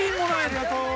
ありがとう。